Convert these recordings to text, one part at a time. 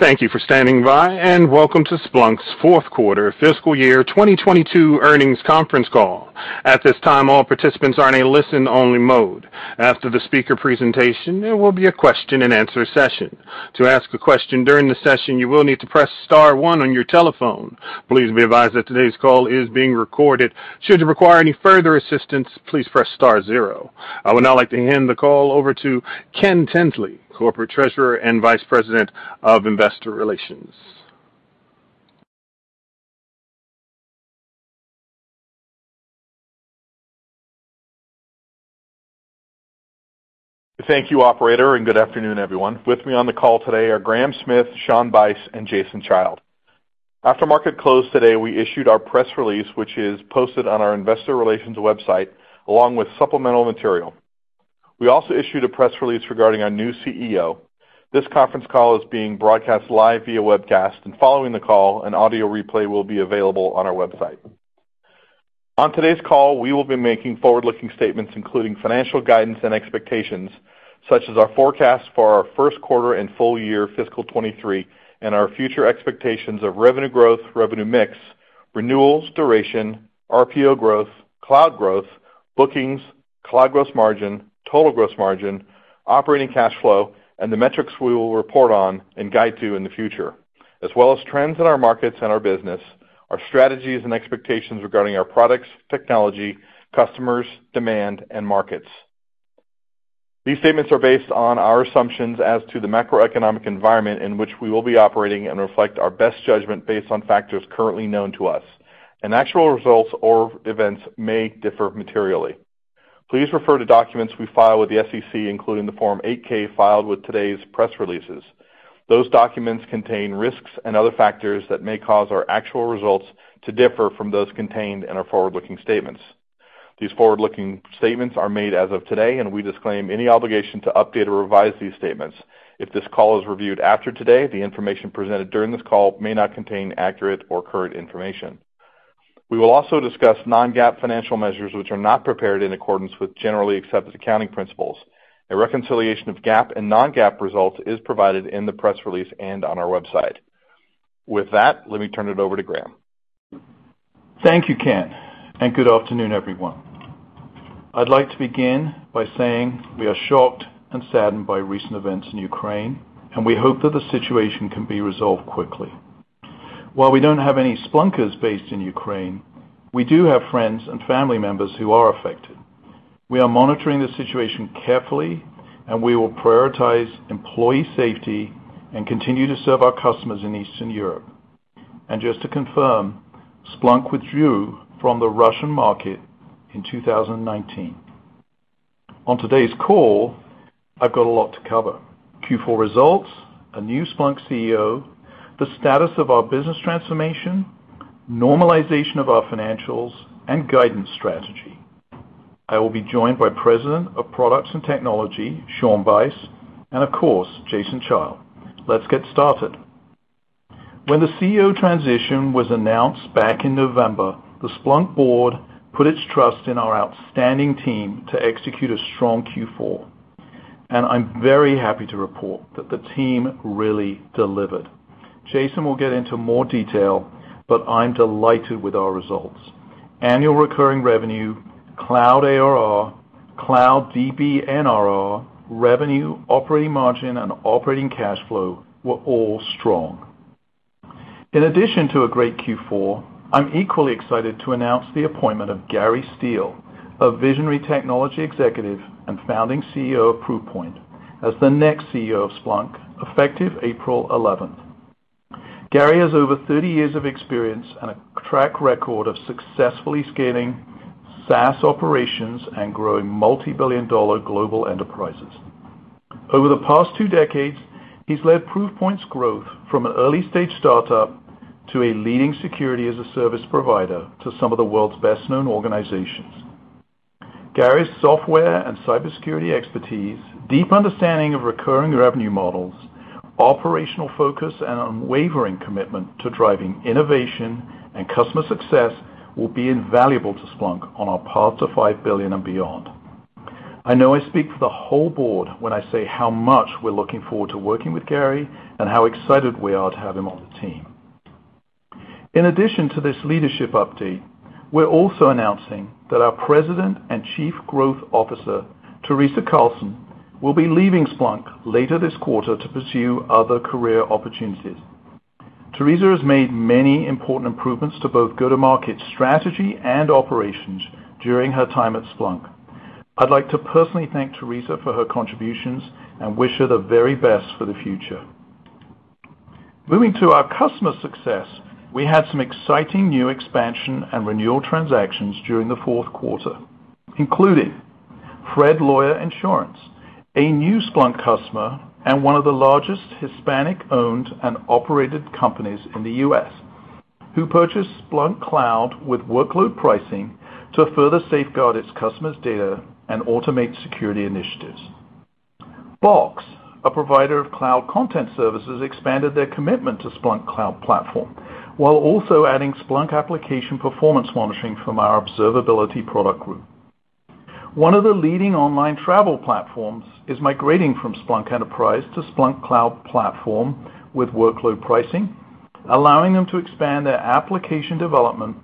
Thank you for standing by, and welcome to Splunk's fourth quarter fiscal year 2022 earnings conference call. At this time, all participants are in a listen-only mode. After the speaker presentation, there will be a Q&A session. To ask a question during the session, you will need to press star one on your telephone. Please be advised that today's call is being recorded. Should you require any further assistance, please press star zero. I would now like to hand the call over to Ken Tinsley, Corporate Treasurer and Vice President of Investor Relations. Thank you, operator, and good afternoon, everyone. With me on the call today are Graham Smith, Shawn Bice, and Jason Child. After market close today, we issued our press release, which is posted on our investor relations website, along with supplemental material. We also issued a press release regarding our new CEO. This conference call is being broadcast live via webcast, and following the call, an audio replay will be available on our website. On today's call, we will be making forward-looking statements, including financial guidance and expectations, such as our forecast for our first quarter and full year fiscal 2023, and our future expectations of revenue growth, revenue mix, renewals, duration, RPO growth, cloud growth, bookings, cloud gross margin, total gross margin, operating cash flow, and the metrics we will report on and guide to in the future, as well as trends in our markets and our business, our strategies and expectations regarding our products, technology, customers, demand, and markets. These statements are based on our assumptions as to the macroeconomic environment in which we will be operating and reflect our best judgment based on factors currently known to us. Actual results or events may differ materially. Please refer to documents we file with the SEC, including the Form 8-K filed with today's press releases. Those documents contain risks and other factors that may cause our actual results to differ from those contained in our forward-looking statements. These forward-looking statements are made as of today, and we disclaim any obligation to update or revise these statements. If this call is reviewed after today, the information presented during this call may not contain accurate or current information. We will also discuss non-GAAP financial measures which are not prepared in accordance with generally accepted accounting principles. A reconciliation of GAAP and non-GAAP results is provided in the press release and on our website. With that, let me turn it over to Graham. Thank you, Ken, and good afternoon, everyone. I'd like to begin by saying we are shocked and saddened by recent events in Ukraine, and we hope that the situation can be resolved quickly. While we don't have any Splunkers based in Ukraine, we do have friends and family members who are affected. We are monitoring the situation carefully, and we will prioritize employee safety and continue to serve our customers in Eastern Europe. Just to confirm, Splunk withdrew from the Russian market in 2019. On today's call, I've got a lot to cover. Q4 results, a new Splunk CEO, the status of our business transformation, normalization of our financials, and guidance strategy. I will be joined by President of Products and Technology, Shawn Bice, and of course, Jason Child. Let's get started. When the CEO transition was announced back in November, the Splunk board put its trust in our outstanding team to execute a strong Q4. I'm very happy to report that the team really delivered. Jason will get into more detail, but I'm delighted with our results. Annual recurring revenue, cloud ARR, cloud DBNRR, revenue, operating margin, and operating cash flow were all strong. In addition to a great Q4, I'm equally excited to announce the appointment of Gary Steele, a visionary technology executive and founding CEO of Proofpoint, as the next CEO of Splunk, effective April 11th. Gary has over 30 years of experience and a track record of successfully scaling SaaS operations and growing multibillion-dollar global enterprises. Over the past two decades, he's led Proofpoint's growth from an early-stage startup to a leading security-as-a-service provider to some of the world's best-known organizations. Gary's software and cybersecurity expertise, deep understanding of recurring revenue models, operational focus, and unwavering commitment to driving innovation and customer success will be invaluable to Splunk on our path to $5 billion and beyond. I know I speak for the whole board when I say how much we're looking forward to working with Gary and how excited we are to have him on the team. In addition to this leadership update, we're also announcing that our President and Chief Growth Officer, Teresa Carlson, will be leaving Splunk later this quarter to pursue other career opportunities. Teresa has made many important improvements to both go-to-market strategy and operations during her time at Splunk. I'd like to personally thank Teresa for her contributions and wish her the very best for the future. Moving to our customer success, we had some exciting new expansion and renewal transactions during the fourth quarter, including Fred Loya Insurance, a new Splunk customer and one of the largest Hispanic-owned and operated companies in the U.S., who purchased Splunk Cloud with Workload Pricing to further safeguard its customers' data and automate security initiatives. Box, a provider of cloud content services, expanded their commitment to Splunk Cloud Platform while also adding Splunk Application Performance Monitoring from our observability product group. One of the leading online travel platforms is migrating from Splunk Enterprise to Splunk Cloud Platform with Workload Pricing, allowing them to expand their application development,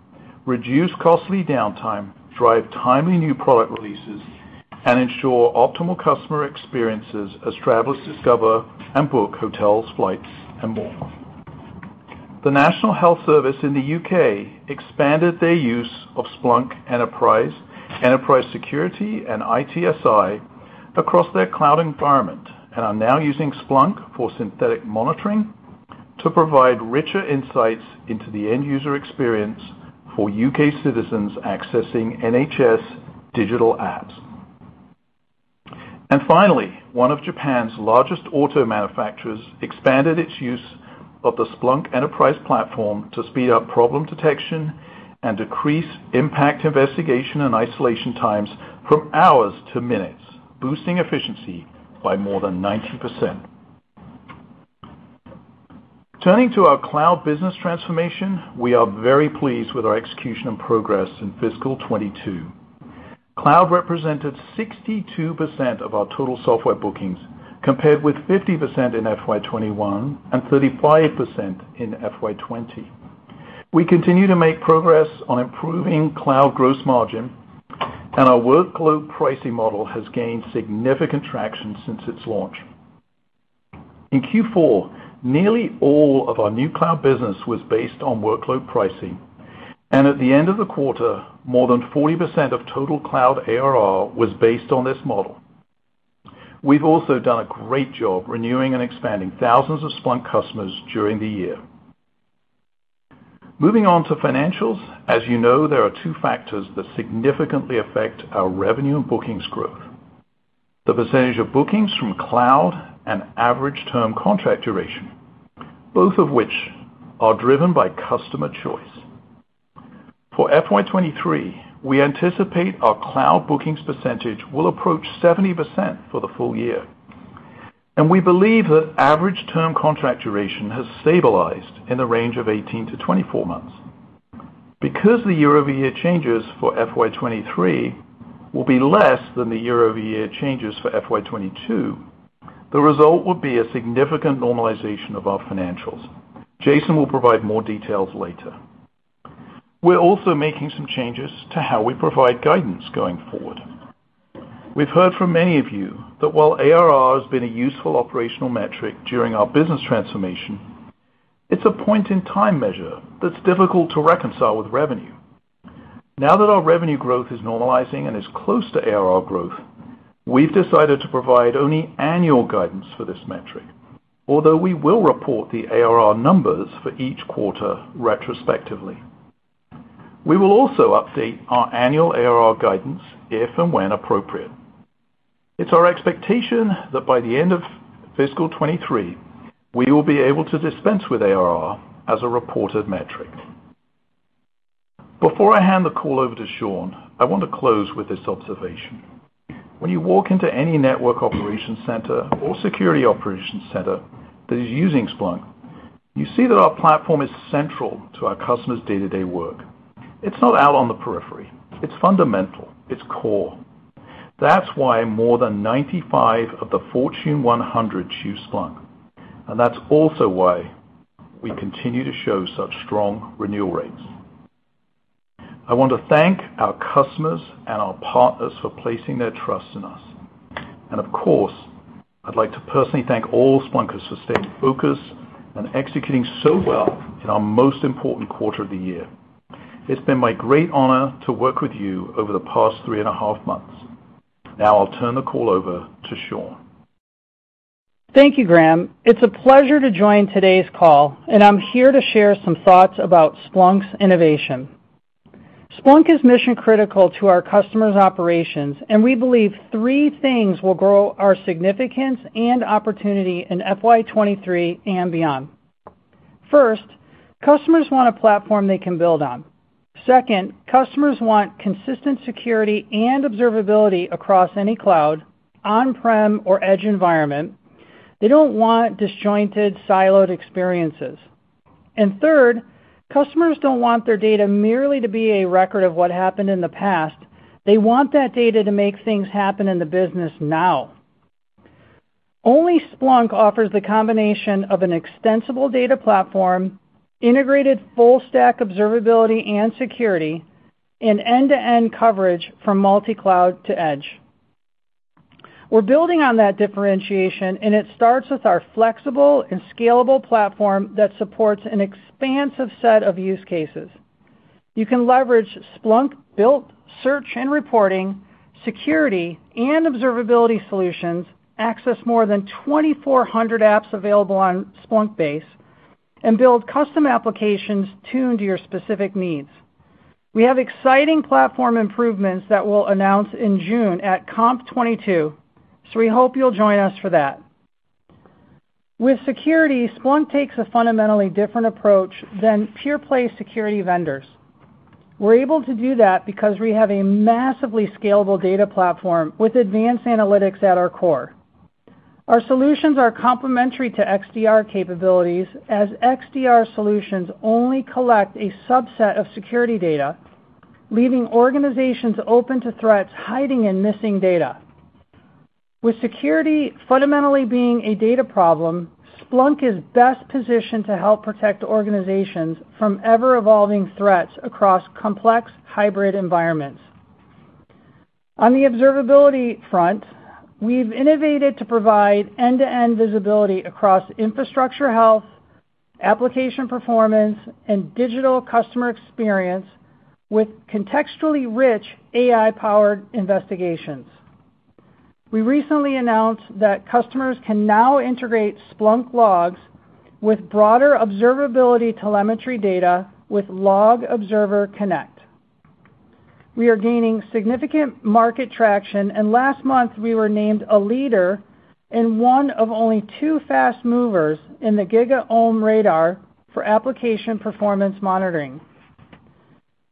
reduce costly downtime, drive timely new product releases, and ensure optimal customer experiences as travelers discover and book hotels, flights, and more. The National Health Service in the U.K. expanded their use of Splunk Enterprise Security, and ITSI across their cloud environment, and are now using Splunk for synthetic monitoring to provide richer insights into the end user experience for U.K. citizens accessing NHS digital apps. Finally, one of Japan's largest auto manufacturers expanded its use of the Splunk Enterprise platform to speed up problem detection and decrease impact investigation and isolation times from hours to minutes, boosting efficiency by more than 90%. Turning to our cloud business transformation, we are very pleased with our execution and progress in fiscal 2022. Cloud represented 62% of our total software bookings, compared with 50% in FY 2021, and 35% in FY 2020. We continue to make progress on improving cloud gross margin, and our workload pricing model has gained significant traction since its launch. In Q4, nearly all of our new cloud business was based on Workload Pricing. At the end of the quarter, more than 40% of total cloud ARR was based on this model. We've also done a great job renewing and expanding thousands of Splunk customers during the year. Moving on to financials. As you know, there are two factors that significantly affect our revenue and bookings growth, the percentage of bookings from cloud and average term contract duration, both of which are driven by customer choice. For FY 2023, we anticipate our cloud bookings percentage will approach 70% for the full year. We believe that average term contract duration has stabilized in the range of 18-24 months. Because the year-over-year changes for FY 2023 will be less than the year-over-year changes for FY 2022, the result will be a significant normalization of our financials. Jason will provide more details later. We're also making some changes to how we provide guidance going forward. We've heard from many of you that while ARR has been a useful operational metric during our business transformation, it's a point-in-time measure that's difficult to reconcile with revenue. Now that our revenue growth is normalizing and is close to ARR growth, we've decided to provide only annual guidance for this metric, although we will report the ARR numbers for each quarter retrospectively. We will also update our annual ARR guidance if and when appropriate. It's our expectation that by the end of fiscal 2023, we will be able to dispense with ARR as a reported metric. Before I hand the call over to Shawn, I want to close with this observation. When you walk into any network operation center or security operation center that is using Splunk, you see that our platform is central to our customers' day-to-day work. It's not out on the periphery. It's fundamental. It's core. That's why more than 95 of the Fortune 100 choose Splunk, and that's also why we continue to show such strong renewal rates. I want to thank our customers and our partners for placing their trust in us. Of course, I'd like to personally thank all Splunkers for staying focused and executing so well in our most important quarter of the year. It's been my great honor to work with you over the past three and a half months. Now I'll turn the call over to Shawn. Thank you, Graham. It's a pleasure to join today's call, and I'm here to share some thoughts about Splunk's innovation. Splunk is mission-critical to our customers' operations, and we believe three things will grow our significance and opportunity in FY 2023 and beyond. First, customers want a platform they can build on. Second, customers want consistent security and observability across any cloud, on-prem, or edge environment. They don't want disjointed, siloed experiences. Third, customers don't want their data merely to be a record of what happened in the past. They want that data to make things happen in the business now. Only Splunk offers the combination of an extensible data platform, integrated full-stack observability and security, and end-to-end coverage from multi-cloud to edge. We're building on that differentiation, and it starts with our flexible and scalable platform that supports an expansive set of use cases. You can leverage Splunk built search and reporting, security, and observability solutions, access more than 2,400 apps available on Splunkbase, and build custom applications tuned to your specific needs. We have exciting platform improvements that we'll announce in June at .conf22, so we hope you'll join us for that. With security, Splunk takes a fundamentally different approach than pure-play security vendors. We're able to do that because we have a massively scalable data platform with advanced analytics at our core. Our solutions are complementary to XDR capabilities, as XDR solutions only collect a subset of security data, leaving organizations open to threats hiding in missing data. With security fundamentally being a data problem, Splunk is best positioned to help protect organizations from ever-evolving threats across complex hybrid environments. On the observability front, we've innovated to provide end-to-end visibility across infrastructure health, application performance, and digital customer experience with contextually rich AI-powered investigations. We recently announced that customers can now integrate Splunk logs with broader observability telemetry data with Log Observer Connect. We are gaining significant market traction, and last month, we were named a leader in one of only two fast movers in the GigaOm Radar for Application Performance Monitoring.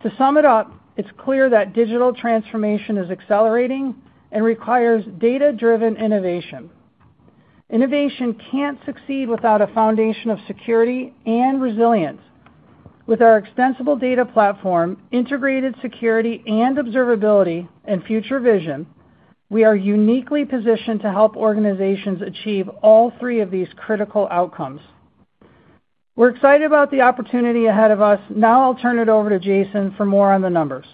To sum it up, it's clear that digital transformation is accelerating and requires data-driven innovation. Innovation can't succeed without a foundation of security and resilience. With our extensible data platform, integrated security and observability and future vision, we are uniquely positioned to help organizations achieve all three of these critical outcomes. We're excited about the opportunity ahead of us. Now I'll turn it over to Jason for more on the numbers.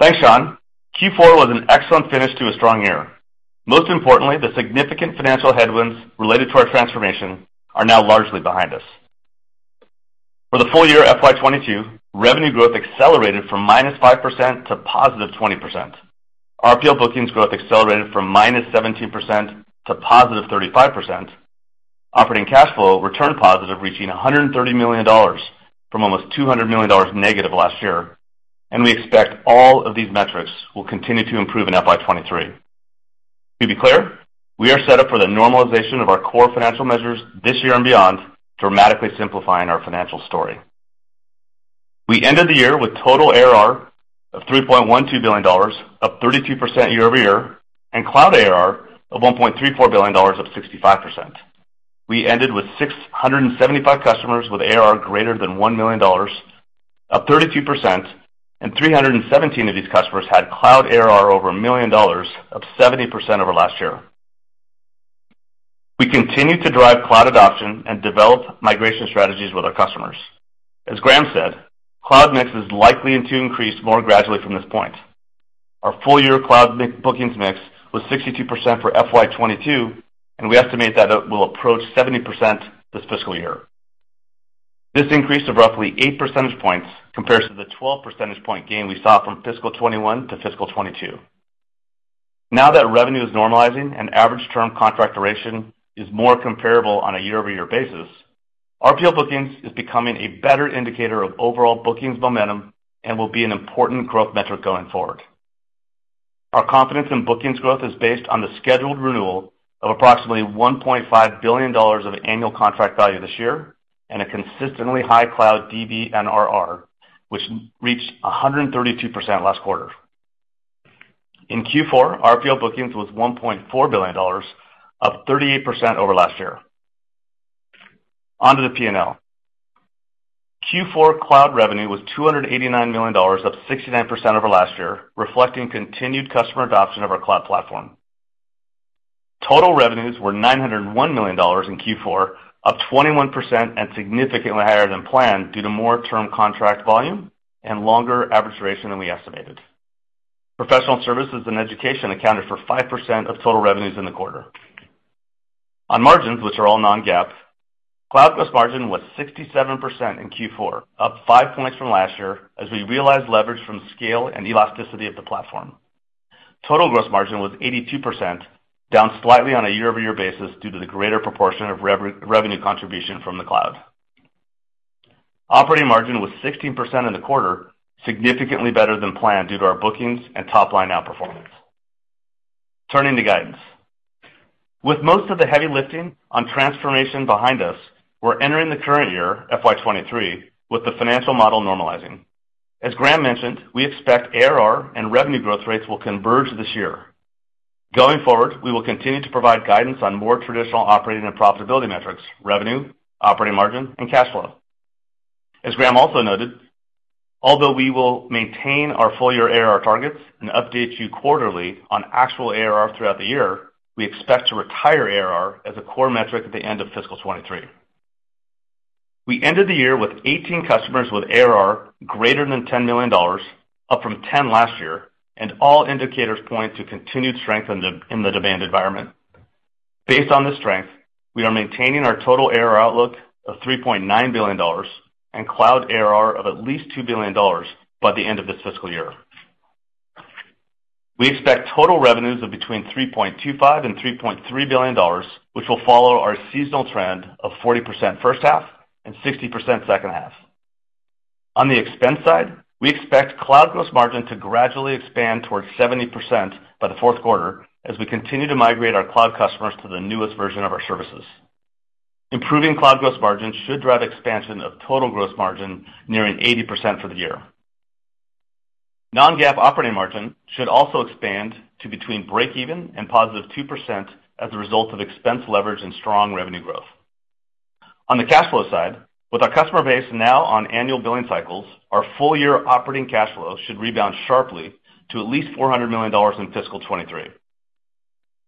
Thanks, Shawn. Q4 was an excellent finish to a strong year. Most importantly, the significant financial headwinds related to our transformation are now largely behind us. For the full year FY 2022, revenue growth accelerated from -5% to +20%. RPO bookings growth accelerated from -17% to +35%. Operating cash flow returned positive, reaching $130 million from almost -$200 million last year. We expect all of these metrics will continue to improve in FY 2023. To be clear, we are set up for the normalization of our core financial measures this year and beyond, dramatically simplifying our financial story. We ended the year with total ARR of $3.12 billion, up 32% year-over-year, and cloud ARR of $1.34 billion up 65%. We ended with 675 customers with ARR greater than $1 million, up 32%, and 317 of these customers had cloud ARR over $1 million, up 70% over last year. We continue to drive cloud adoption and develop migration strategies with our customers. As Graham said, cloud mix is likely to increase more gradually from this point. Our full year cloud bookings mix was 62% for FY 2022, and we estimate that it will approach 70% this fiscal year. This increase of roughly eight percentage points compares to the 12 percentage point gain we saw from fiscal 2021 to fiscal 2022. Now that revenue is normalizing and average term contract duration is more comparable on a year-over-year basis, RPO bookings is becoming a better indicator of overall bookings momentum and will be an important growth metric going forward. Our confidence in bookings growth is based on the scheduled renewal of approximately $1.5 billion of annual contract value this year and a consistently high cloud DBNRR, which reached 132% last quarter. In Q4, RPO bookings was $1.4 billion, up 38% over last year. On to the P&L. Q4 cloud revenue was $289 million, up 69% over last year, reflecting continued customer adoption of our cloud platform. Total revenues were $901 million in Q4, up 21% and significantly higher than planned due to more term contract volume and longer average duration than we estimated. Professional services and education accounted for 5% of total revenues in the quarter. On margins, which are all non-GAAP, cloud gross margin was 67% in Q4, up 5 points from last year, as we realized leverage from scale and elasticity of the platform. Total gross margin was 82%, down slightly on a year-over-year basis due to the greater proportion of revenue contribution from the cloud. Operating margin was 16% in the quarter, significantly better than planned due to our bookings and top-line outperformance. Turning to guidance. With most of the heavy lifting on transformation behind us, we're entering the current year, FY 2023, with the financial model normalizing. As Graham mentioned, we expect ARR and revenue growth rates will converge this year. Going forward, we will continue to provide guidance on more traditional operating and profitability metrics, revenue, operating margin, and cash flow. As Graham also noted, although we will maintain our full year ARR targets and update you quarterly on actual ARR throughout the year, we expect to retire ARR as a core metric at the end of fiscal 2023. We ended the year with 18 customers with ARR greater than $10 million, up from 10 last year, and all indicators point to continued strength in the demand environment. Based on this strength, we are maintaining our total ARR outlook of $3.9 billion and cloud ARR of at least $2 billion by the end of this fiscal year. We expect total revenues of between $3.25 billion and $3.3 billion, which will follow our seasonal trend of 40% first half and 60% second half. On the expense side, we expect cloud gross margin to gradually expand towards 70% by the fourth quarter as we continue to migrate our cloud customers to the newest version of our services. Improving cloud gross margin should drive expansion of total gross margin nearing 80% for the year. Non-GAAP operating margin should also expand to between breakeven and +2% as a result of expense leverage and strong revenue growth. On the cash flow side, with our customer base now on annual billing cycles, our full-year operating cash flow should rebound sharply to at least $400 million in fiscal 2023.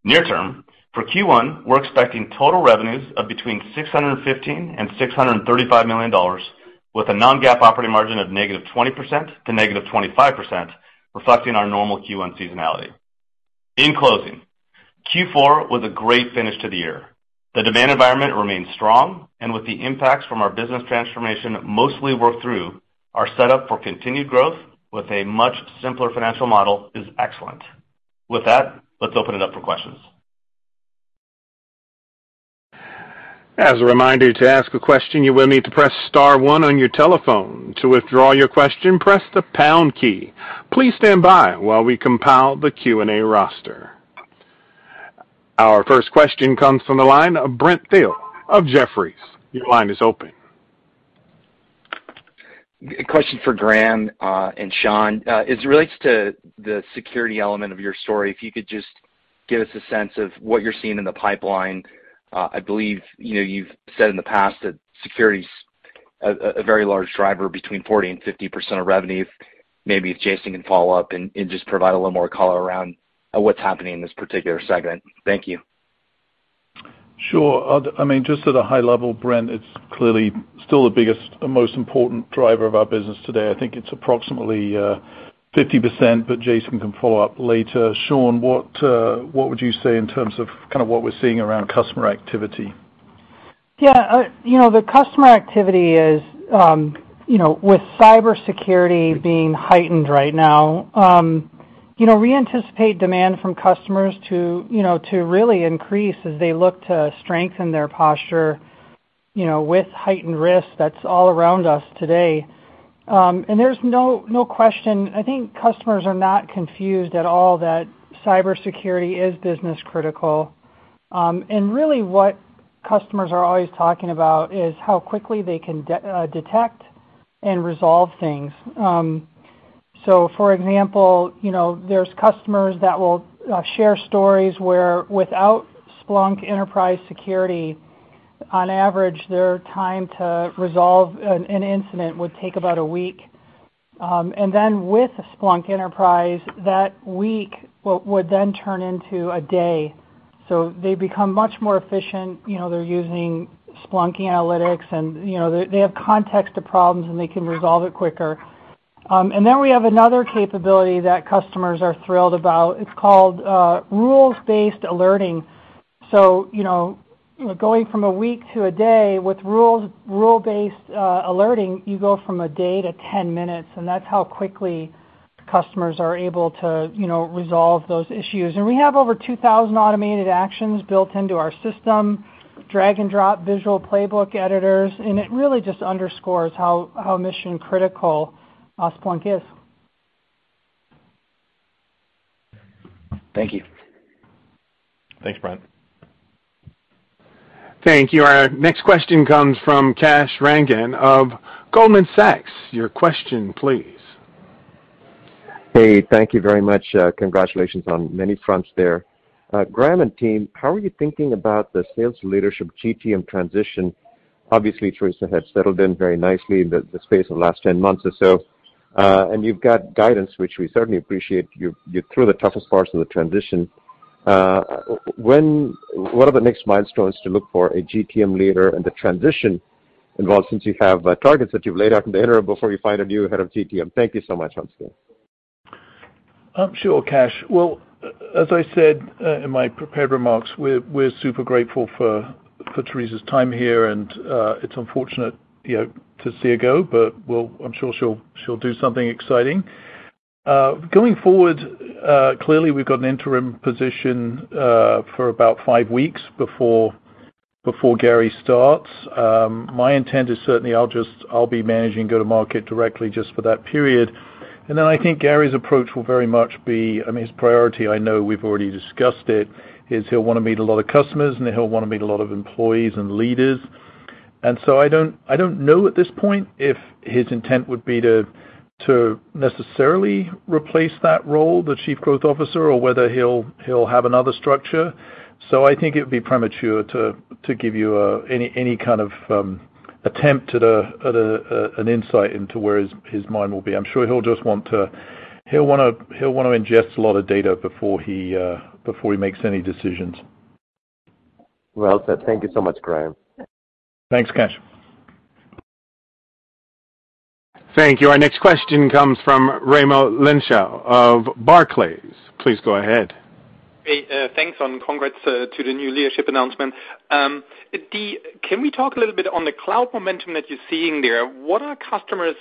Near term, for Q1, we're expecting total revenues of between $615 million and $635 million, with a non-GAAP operating margin of -20% to -25%, reflecting our normal Q1 seasonality. In closing, Q4 was a great finish to the year. The demand environment remains strong, and with the impacts from our business transformation mostly worked through, our setup for continued growth with a much simpler financial model is excellent. With that, let's open it up for questions. As a reminder, to ask a question, you will need to press star one on your telephone. To withdraw your question, press the pound key. Please stand by while we compile the Q&A roster. Our first question comes from the line of Brent Thill of Jefferies. Your line is open. A question for Graham and Shawn. As it relates to the security element of your story, if you could just give us a sense of what you're seeing in the pipeline. I believe, you know, you've said in the past that security's a very large driver between 40%-50% of revenue. Maybe if Jason can follow up and just provide a little more color around what's happening in this particular segment. Thank you. Sure. I mean, just at a high level, Brent, it's clearly still the biggest and most important driver of our business today. I think it's approximately 50%, but Jason can follow up later. Shawn, what would you say in terms of kind of what we're seeing around customer activity? Yeah. You know, the customer activity is, you know, with cybersecurity being heightened right now, you know, we anticipate demand from customers to, you know, to really increase as they look to strengthen their posture, you know, with heightened risk that's all around us today. There's no question. I think customers are not confused at all that cybersecurity is business critical. Really what customers are always talking about is how quickly they can detect and resolve things. For example, you know, there's customers that will share stories where without Splunk Enterprise Security, on average, their time to resolve an incident would take about a week. Then with Splunk Enterprise, that week would then turn into a day. They become much more efficient. You know, they're using Splunk analytics, and, you know, they have context to problems, and they can resolve it quicker. Then we have another capability that customers are thrilled about. It's called rules-based alerting. So, you know, going from a week to a day, with rules-based alerting, you go from a day to 10 minutes, and that's how quickly customers are able to, you know, resolve those issues. We have over 2,000 automated actions built into our system, drag and drop visual playbook editors, and it really just underscores how mission-critical Splunk is. Thank you. Thanks, Brent. Thank you. Our next question comes from Kash Rangan of Goldman Sachs. Your question, please. Hey. Thank you very much. Congratulations on many fronts there. Graham and team, how are you thinking about the sales leadership GTM transition? Obviously, Teresa has settled in very nicely in the space of the last 10 months or so. And you've got guidance, which we certainly appreciate. You're through the toughest parts of the transition. What are the next milestones to look for a GTM leader and the transition involved since you have targets that you've laid out in the interim before you find a new head of GTM? Thank you so much. I'm still. Sure, Kash. Well, as I said in my prepared remarks, we're super grateful for Teresa's time here, and it's unfortunate, you know, to see her go, but I'm sure she'll do something exciting. Going forward, clearly we've got an interim position for about five weeks before Gary starts. My intent is certainly I'll be managing go-to-market directly just for that period. I think Gary's approach will very much be, I mean, his priority, I know we've already discussed it, is he'll wanna meet a lot of customers, and he'll wanna meet a lot of employees and leaders. I don't know at this point if his intent would be to necessarily replace that role, the Chief Growth Officer, or whether he'll have another structure. I think it'd be premature to give you any kind of attempt at an insight into where his mind will be. I'm sure he'll wanna ingest a lot of data before he makes any decisions. Well said. Thank you so much, Graham. Thanks, Kash. Thank you. Our next question comes from Raimo Lenschow of Barclays. Please go ahead. Thanks, and congrats to the new leadership announcement.[Dee], can we talk a little bit on the cloud momentum that you're seeing there? What are customers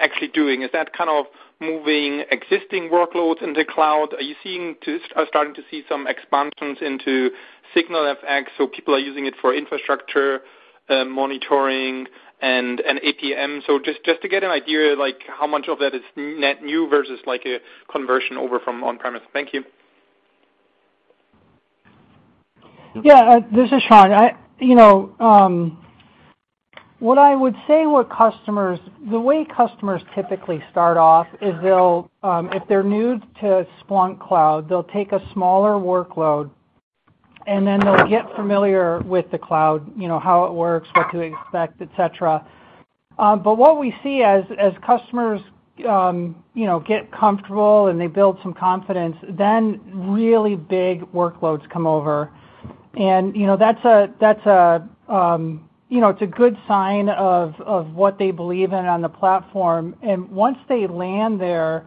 actually doing? Is that kind of moving existing workloads into cloud? Are you seeing or starting to see some expansions into SignalFx, so people are using it for infrastructure monitoring and APM? Just to get an idea, like, how much of that is net new versus, like, a conversion over from on-premise. Thank you. Yeah, this is Shawn. You know, what I would say with customers, the way customers typically start off is they'll, if they're new to Splunk Cloud, they'll take a smaller workload, and then they'll get familiar with the cloud, you know, how it works, what to expect, et cetera. What we see as customers, you know, get comfortable and they build some confidence, then really big workloads come over. You know, that's a good sign of what they believe in on the platform. Once they land there,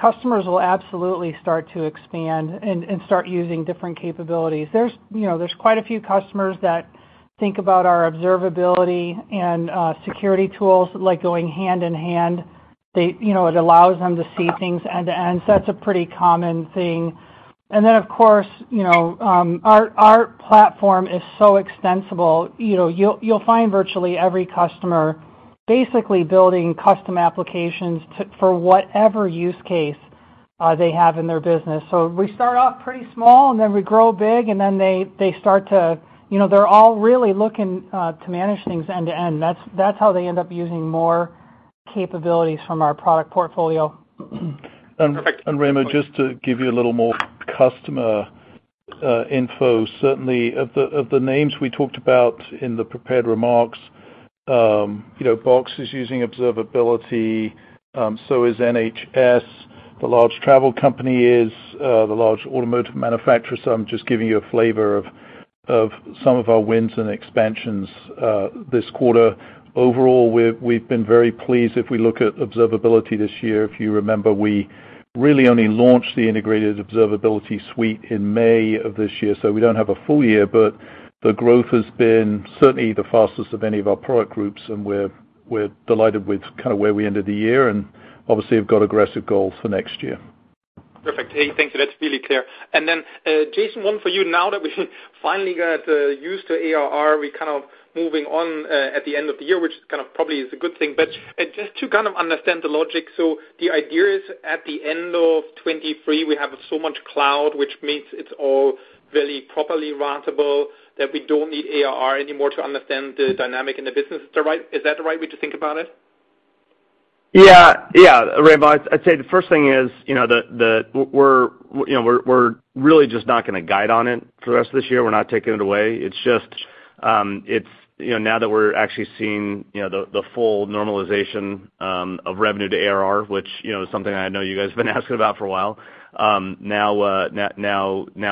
customers will absolutely start to expand and start using different capabilities. There's, you know, quite a few customers that think about our observability and security tools, like going hand-in-hand. They You know, it allows them to see things end to end, so that's a pretty common thing. Of course, you know, our platform is so extensible, you know, you'll find virtually every customer basically building custom applications for whatever use case they have in their business. We start off pretty small, and then we grow big, and then you know, they're all really looking to manage things end to end. That's how they end up using more capabilities from our product portfolio. Raimo, just to give you a little more customer info. Certainly of the names we talked about in the prepared remarks, you know, Box is using Observability, so is NHS, the large travel company is the large automotive manufacturer. I'm just giving you a flavor of some of our wins and expansions this quarter. Overall, we've been very pleased if we look at Observability this year. If you remember, we really only launched the integrated Observability Suite in May of this year, so we don't have a full year, but the growth has been certainly the fastest of any of our product groups, and we're delighted with kind of where we ended the year and obviously have got aggressive goals for next year. Perfect. Hey, thank you. That's really clear. Jason, one for you. Now that we finally got used to ARR, we're kind of moving on at the end of the year, which is kind of probably a good thing. Just to kind of understand the logic, the idea is at the end of 2023, we have so much cloud, which means it's all very properly ratable, that we don't need ARR anymore to understand the dynamic in the business. Is that right? Is that the right way to think about it? Yeah. Yeah, Raimo. I'd say the first thing is, you know, we're, you know, really just not gonna guide on it for the rest of this year. We're not taking it away. It's just, it's, you know, now that we're actually seeing, you know, the full normalization of revenue to ARR, which, you know, is something I know you guys have been asking about for a while, now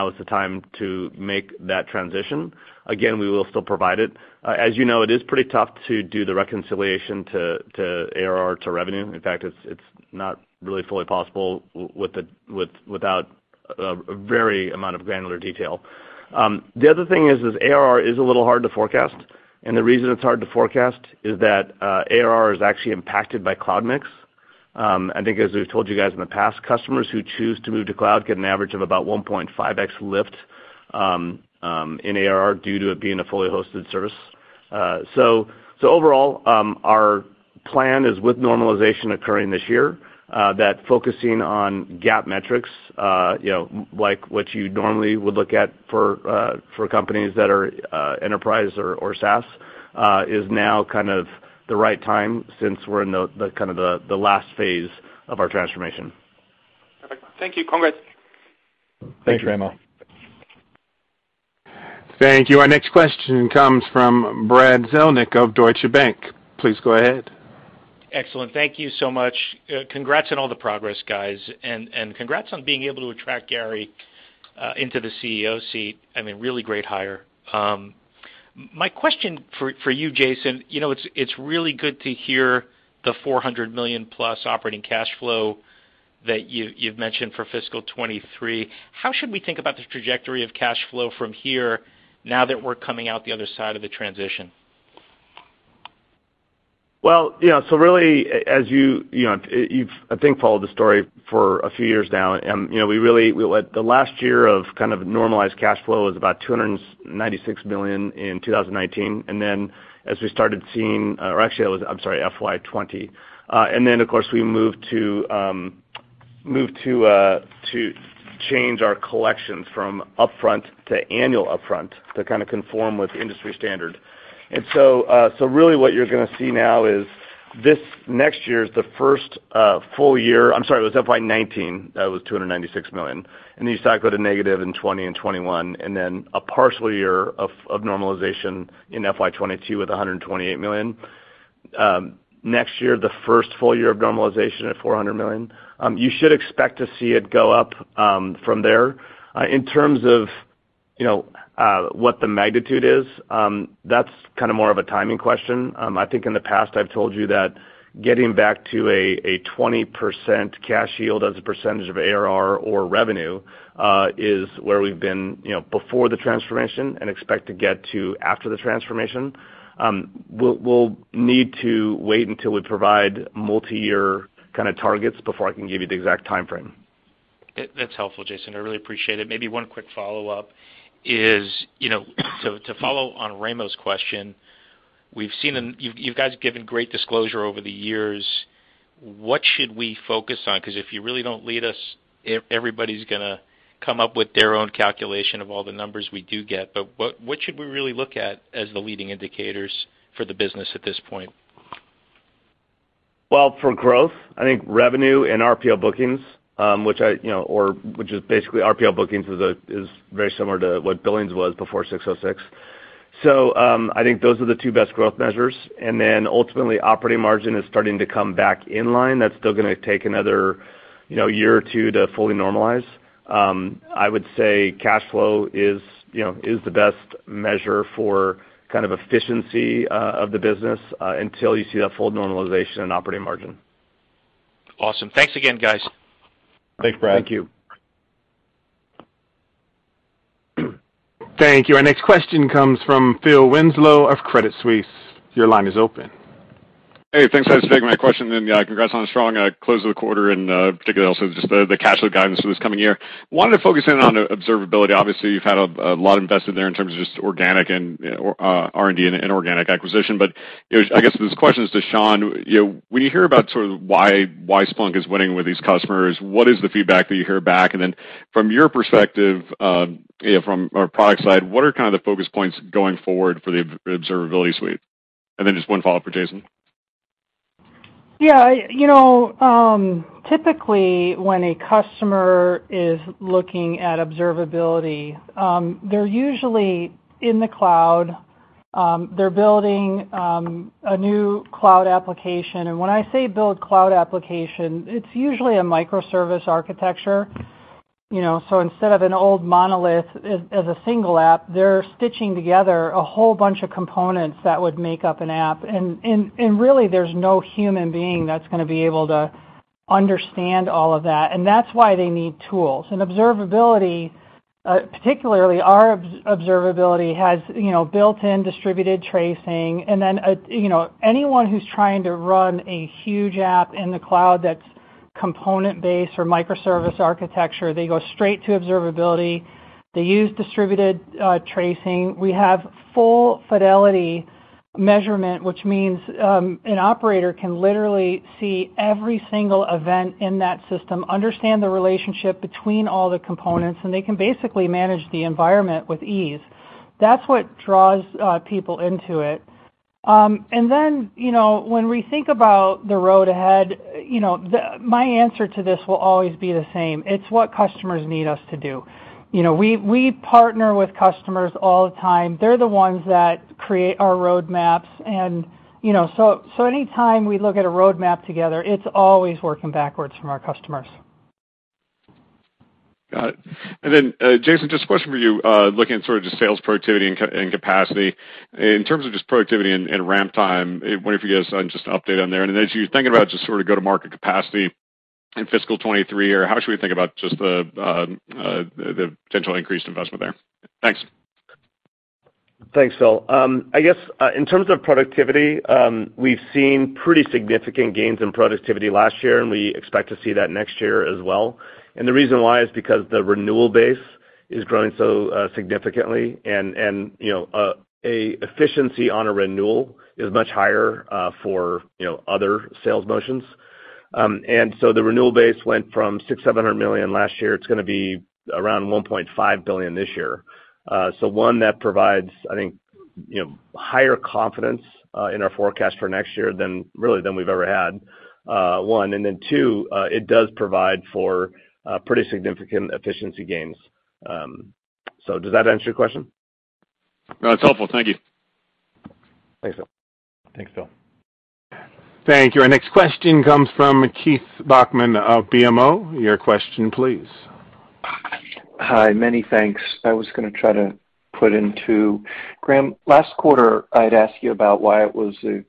is the time to make that transition. Again, we will still provide it. As you know, it is pretty tough to do the reconciliation to ARR to revenue. In fact, it's not really fully possible without a very amount of granular detail. The other thing is ARR is a little hard to forecast, and the reason it's hard to forecast is that ARR is actually impacted by cloud mix. I think as we've told you guys in the past, customers who choose to move to cloud get an average of about 1.5x lift in ARR due to it being a fully hosted service. So overall, our plan is with normalization occurring this year that focusing on GAAP metrics, you know, like what you normally would look at for companies that are enterprise or SaaS, is now kind of the right time since we're in the last phase of our transformation. Perfect. Thank you. Congrats. Thanks, Raimo. Thank you. Our next question comes from Brad Zelnick of Deutsche Bank. Please go ahead. Excellent. Thank you so much. Congrats on all the progress, guys, and congrats on being able to attract Gary into the CEO seat. I mean, really great hire. My question for you, Jason, you know, it's really good to hear the $400 million+ operating cash flow that you've mentioned for fiscal 2023. How should we think about the trajectory of cash flow from here now that we're coming out the other side of the transition? Well, you know, so really as you know, you've I think followed the story for a few years now. You know, we really the last year of kind of normalized cash flow was about $296 million in 2019. Then as we started seeing. Or actually it was, I'm sorry, FY 2020. Then, of course, we moved to change our collections from upfront to annual upfront to kind of conform with industry standard. So really what you're gonna see now is this next year is the first full year. I'm sorry, it was FY 2019, that was $296 million. These cycled to negative in 2020 and 2021, then a partial year of normalization in FY 2022 with $128 million. Next year, the first full year of normalization at $400 million. You should expect to see it go up from there. In terms of, you know, what the magnitude is, that's kind of more of a timing question. I think in the past I've told you that getting back to a 20% cash yield as a percentage of ARR or revenue is where we've been, you know, before the transformation and expect to get to after the transformation. We'll need to wait until we provide multi-year kind of targets before I can give you the exact timeframe. That's helpful, Jason. I really appreciate it. Maybe one quick follow-up is, you know, to follow on Raimo's question. We've seen and you guys have given great disclosure over the years. What should we focus on? 'Cause if you really don't lead us, everybody's gonna come up with their own calculation of all the numbers we do get. But what should we really look at as the leading indicators for the business at this point? Well, for growth, I think revenue and RPO bookings, which is basically what billings was before ASC 606. I think those are the two best growth measures. Ultimately, operating margin is starting to come back in line. That's still gonna take another, you know, year or two to fully normalize. I would say cash flow is, you know, the best measure for kind of efficiency of the business until you see that full normalization in operating margin. Awesome. Thanks again, guys. Thanks, Brad. Thank you. Thank you. Our next question comes from Phil Winslow of Credit Suisse. Your line is open. Hey, thanks for taking my question, and yeah, congrats on a strong close to the quarter and particularly also just the cash flow guidance for this coming year. Wanted to focus in on observability. Obviously, you've had a lot invested there in terms of just organic and R&D and organic acquisition. But you know, I guess this question is to Shawn. You know, when you hear about sort of why Splunk is winning with these customers, what is the feedback that you hear back? And then from your perspective, you know, from our product side, what are kind of the focus points going forward for the observability suite? And then just one follow-up for Jason. Yeah. You know, typically, when a customer is looking at observability, they're usually in the cloud. They're building a new cloud application. When I say build cloud application, it's usually a microservice architecture. You know, so instead of an old monolith as a single app, they're stitching together a whole bunch of components that would make up an app. Really, there's no human being that's gonna be able to understand all of that, and that's why they need tools. Observability, particularly our observability, has, you know, built-in distributed tracing. Then, you know, anyone who's trying to run a huge app in the cloud that's component-based or microservice architecture, they go straight to observability. They use distributed tracing. We have full fidelity measurement, which means an operator can literally see every single event in that system, understand the relationship between all the components, and they can basically manage the environment with ease. That's what draws people into it. When we think about the road ahead, you know, my answer to this will always be the same. It's what customers need us to do. You know, we partner with customers all the time. They're the ones that create our roadmaps, you know. Any time we look at a roadmap together, it's always working backwards from our customers. Got it. Jason, just a question for you. Looking at sort of just sales productivity and capacity. In terms of just productivity and ramp time, wondering if you could give us just an update on there. As you're thinking about just sort of go-to-market capacity in fiscal 2023, how should we think about the potential increased investment there? Thanks. Thanks, Phil. I guess in terms of productivity, we've seen pretty significant gains in productivity last year, and we expect to see that next year as well. The reason why is because the renewal base is growing so significantly and you know a efficiency on a renewal is much higher for you know other sales motions. The renewal base went from $600 million-$700 million last year; it's gonna be around $1.5 billion this year. One, that provides, I think, you know higher confidence in our forecast for next year than really, than we've ever had, one. Two, it does provide for pretty significant efficiency gains. Does that answer your question? No, it's helpful. Thank you. Thanks, Phil. Thanks, Phil. Thank you. Our next question comes from Keith Bachman of BMO. Your question please. Hi. Many thanks. I was gonna try to put in two. Graham, last quarter I'd asked you about why it was the,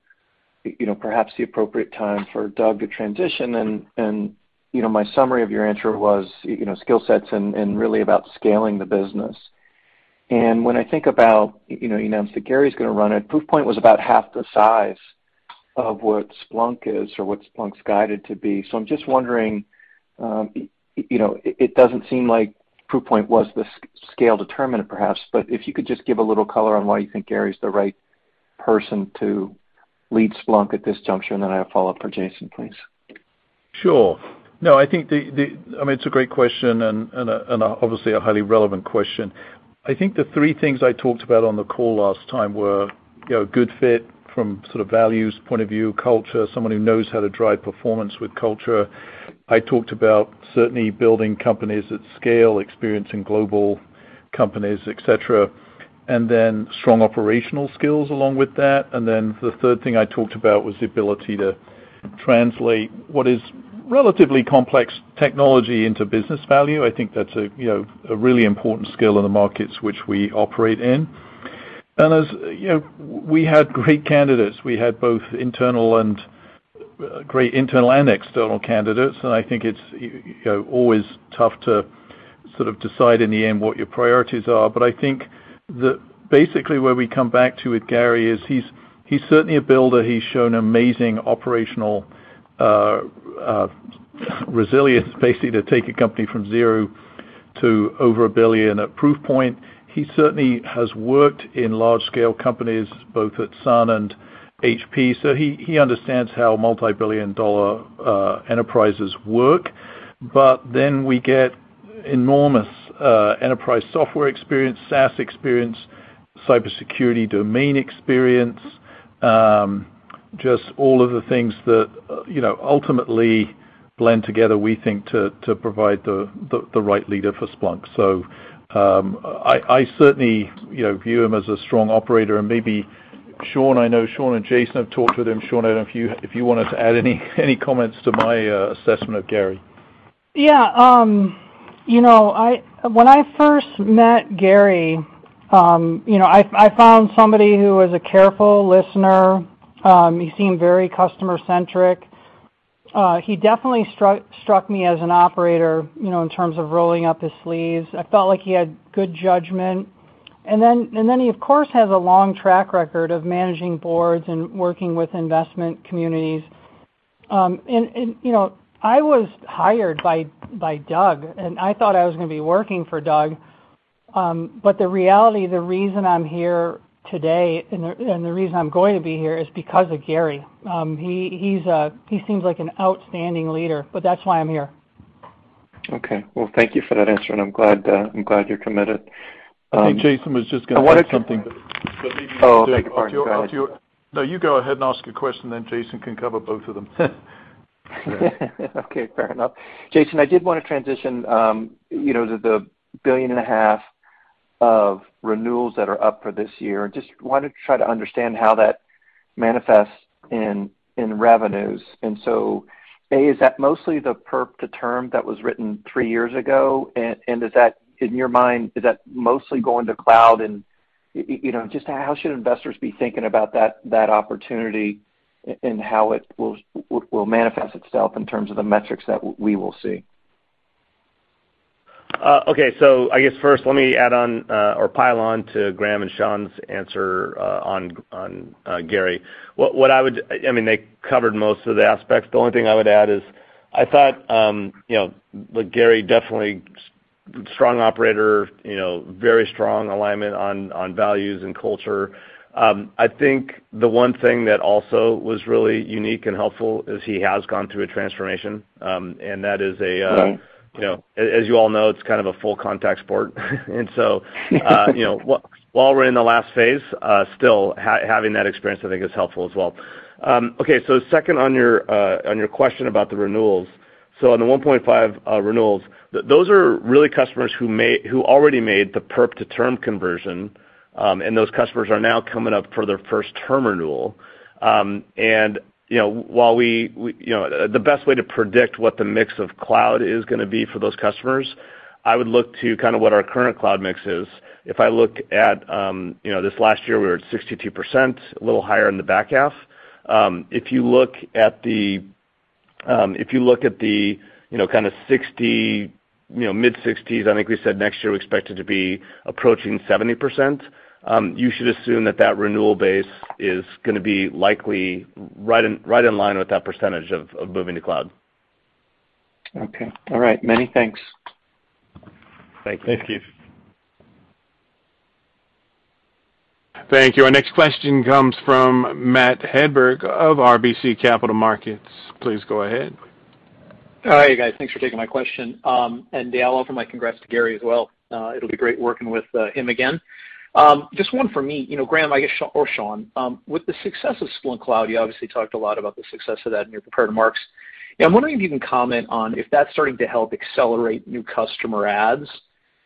you know, perhaps the appropriate time for Doug to transition and, you know, my summary of your answer was, you know, skill sets and really about scaling the business. When I think about, you know, you announced that Gary's gonna run it, Proofpoint was about half the size of what Splunk is or what Splunk's guided to be. I'm just wondering, you know, it doesn't seem like Proofpoint was the scale determinant perhaps, but if you could just give a little color on why you think Gary's the right person to lead Splunk at this juncture, and then I have follow up for Jason, please. Sure. No, I think I mean, it's a great question and obviously a highly relevant question. I think the three things I talked about on the call last time were, you know, good fit from sort of values, point of view, culture, someone who knows how to drive performance with culture. I talked about certainly building companies at scale, experience in global companies, et cetera. Strong operational skills along with that. The third thing I talked about was the ability to translate what is relatively complex technology into business value. I think that's, you know, a really important skill in the markets which we operate in. As you know, we had great candidates. We had both internal and great internal and external candidates, and I think it's, you know, always tough to sort of decide in the end what your priorities are. I think basically where we come back to with Gary is he's certainly a builder. He's shown amazing operational sort Resilience basically to take a company from zero to over a billion at Proofpoint. He certainly has worked in large scale companies, both at Sun and HP, so he understands how multi-billion dollar enterprises work. But then we get enormous enterprise software experience, SaaS experience, cybersecurity domain experience, just all of the things that, you know, ultimately blend together, we think to provide the right leader for Splunk. I certainly, you know, view him as a strong operator. Maybe Shawn, I know Shawn and Jason have talked with him. Shawn, I don't know if you wanted to add any comments to my assessment of Gary. Yeah. You know, when I first met Gary, you know, I found somebody who was a careful listener. He seemed very customer-centric. He definitely struck me as an operator, you know, in terms of rolling up his sleeves. I felt like he had good judgment. He of course has a long track record of managing boards and working with investment communities. You know, I was hired by Doug, and I thought I was gonna be working for Doug. The reality, the reason I'm here today and the reason I'm going to be here is because of Gary. He seems like an outstanding leader, but that's why I'm here. Okay. Well, thank you for that answer, and I'm glad you're committed. I think Jason was just gonna add something. Oh, beg your pardon. Go ahead. No, you go ahead and ask a question, then Jason can cover both of them. Okay, fair enough. Jason, I did want to transition, you know, the $1.5 billion of renewals that are up for this year. Just wanted to try to understand how that manifests in revenues. A, is that mostly the perpetual to term that was written three years ago? And, is that, in your mind, is that mostly going to cloud? You know, just how should investors be thinking about that opportunity and how it will manifest itself in terms of the metrics that we will see? Okay. I guess first let me add on, or pile on to Graham and Shawn's answer, on Gary. I mean, they covered most of the aspects. The only thing I would add is I thought, you know, look, Gary definitely strong operator, you know, very strong alignment on values and culture. I think the one thing that also was really unique and helpful is he has gone through a transformation. That is a Right You know, as you all know, it's kind of a full contact sport. You know, while we're in the last phase, still having that experience I think is helpful as well. Okay, second on your question about the renewals. On the 1.5x renewals, those are really customers who already made the perp to term conversion, and those customers are now coming up for their first term renewal. You know, while we, you know, the best way to predict what the mix of cloud is gonna be for those customers, I would look to kind of what our current cloud mix is. If I look at, you know, this last year we were at 62%, a little higher in the back half. If you look at the, you know, kind of 60, you know, mid-60s, I think we said next year we expect it to be approaching 70%, you should assume that renewal base is gonna be likely right in line with that percentage of moving to cloud. Okay. All right. Many thanks. Thank you. Thanks, Keith. Thank you. Our next question comes from Matthew Hedberg of RBC Capital Markets. Please go ahead. All right, guys. Thanks for taking my question. And Dale, I'll offer my congrats to Gary as well. It'll be great working with him again. Just one for me. You know, Graham, I guess, or Shawn, with the success of Splunk Cloud, you obviously talked a lot about the success of that in your prepared remarks. I'm wondering if you can comment on if that's starting to help accelerate new customer adds.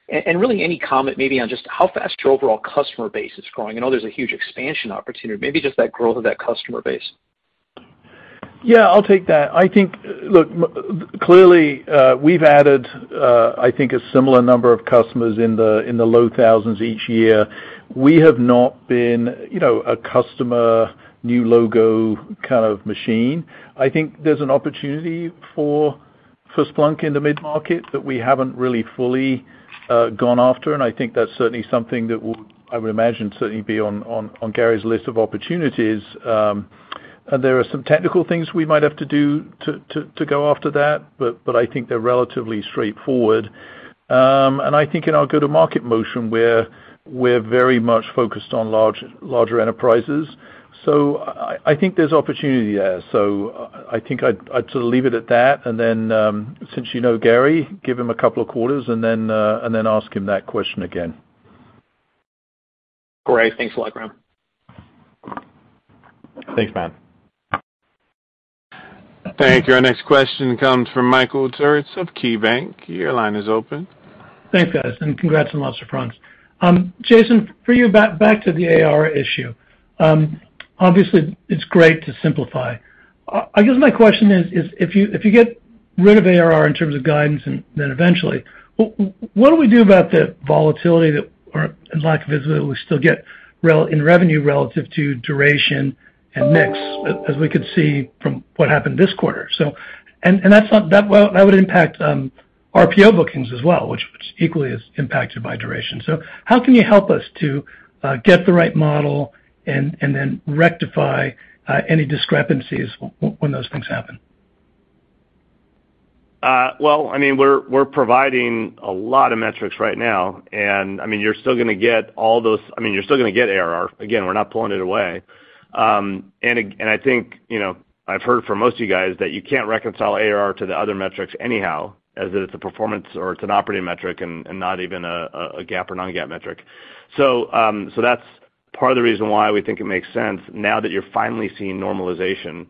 And really any comment maybe on just how fast your overall customer base is growing. I know there's a huge expansion opportunity. Maybe just that growth of that customer base. Yeah, I'll take that. I think, look, clearly, we've added, I think a similar number of customers in the low thousands each year. We have not been, you know, a customer new logo kind of machine. I think there's an opportunity for Splunk in the mid-market that we haven't really fully gone after, and I think that's certainly something that will, I would imagine, certainly be on Gary's list of opportunities. There are some technical things we might have to do to go after that, but I think they're relatively straightforward. And I think in our go-to-market motion, we're very much focused on large, larger enterprises. So I think there's opportunity there. So I think I'd sort of leave it at that. Since you know Gary, give him a couple of quarters and then ask him that question again. Great. Thanks a lot, Graham. Thanks, Matt. Thank you. Our next question comes from Michael Turits of KeyBanc. Your line is open. Thanks, guys, and congrats on lots of fronts. Jason, for you, back to the ARR issue. Obviously it's great to simplify. I guess my question is if you get rid of ARR in terms of guidance and then eventually what do we do about the volatility that or lack of visibility we still get in revenue relative to duration and mix as we could see from what happened this quarter? And that would impact RPO bookings as well, which equally is impacted by duration. How can you help us to get the right model and then rectify any discrepancies when those things happen? I mean, we're providing a lot of metrics right now, and I mean, you're still gonna get all those. I mean, you're still gonna get ARR. Again, we're not pulling it away. And I think, you know, I've heard from most of you guys that you can't reconcile ARR to the other metrics anyhow, as it's a performance or it's an operating metric and not even a GAAP or non-GAAP metric. That's part of the reason why we think it makes sense now that you're finally seeing normalization